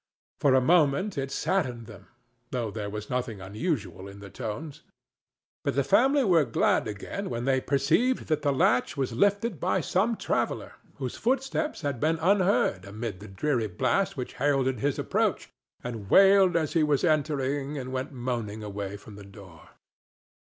For a moment it saddened them, though there was nothing unusual in the tones. But the family were glad again when they perceived that the latch was lifted by some traveller whose footsteps had been unheard amid the dreary blast which heralded his approach and wailed as he was entering and went moaning away from the door.